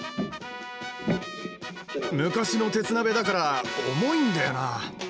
昔の鉄鍋だから重いんだよな。